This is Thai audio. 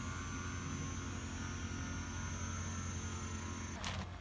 โอ้ว